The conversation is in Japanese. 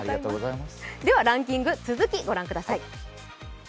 ランキング、続き御覧ください。